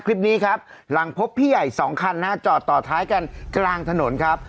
คลิปนี้ครับหลังพบพี่ใหญ่สองคันนะฮะจอดต่อท้ายกันกลางถนนครับ